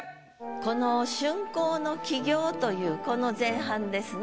この「春光の起業」というこの前半ですね。